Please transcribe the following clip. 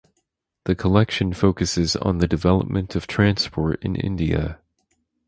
The collection focuses on the development of transport in India.